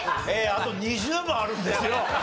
あと２０問あるんですよ。